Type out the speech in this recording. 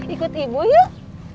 ikut ibu yuk